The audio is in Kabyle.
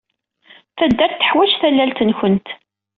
Taddart teḥwaj tallalt-nwent.